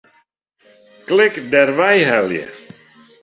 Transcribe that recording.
Klik Dêrwei helje.